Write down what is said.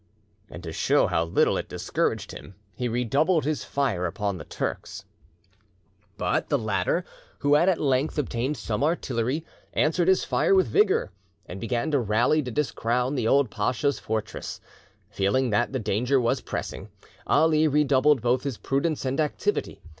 And to show how little it discouraged him, he redoubled his fire upon the Turks. But the latter, who had at length obtained some artillery, answered his fire with vigour, and began to rally to discrown the old pacha's fortress. Feeling that the danger was pressing, Ali redoubled both his prudence and activity.